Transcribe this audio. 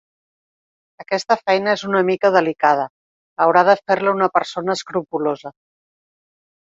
Aquesta feina és una mica delicada, haurà de fer-la una persona escrupolosa.